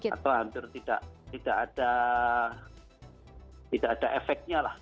atau hampir tidak ada efeknya lah